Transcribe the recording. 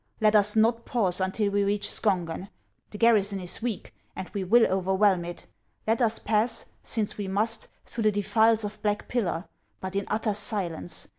Let us not pause until we reach Skongen ; the garrison is weak, and we will overwhelm it. Let us pass, since we must, through the defiles of Black Pillar, but in utter silence.